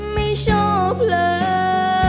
ไม่ชอบเลย